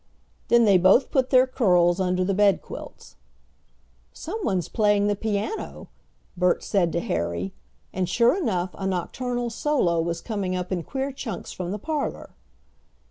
Then they both put their curls under the bedquilts. "Someone's playing the piano," Bert said to Harry; and, sure enough, a nocturnal solo was coming up in queer chunks from the parlor.